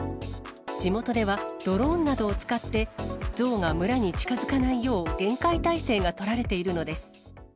地元ではドローンなどを使って、ゾウが村に近づかないよう厳戒態勢が取られているのです。